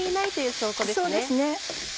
そうですね。